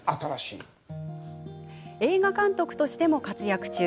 映画監督としても活躍中。